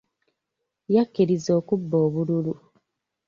Yakkiriza okubba obululu.